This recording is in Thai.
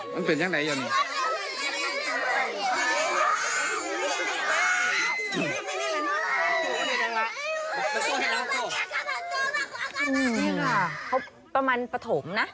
นี่ค่ะเขาประมาณปฐมนะ